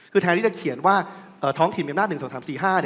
คือแทนที่จะเขียนว่าท้องถิ่นอำนาจ๑๒๓๔๕